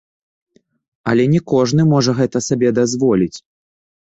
Але не кожны можа гэта сабе дазволіць.